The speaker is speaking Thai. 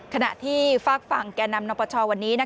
ขณะที่ฝากฝั่งแก่นำนปชวันนี้